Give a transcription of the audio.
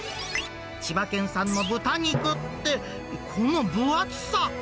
千葉県産の豚肉って、この分厚さ。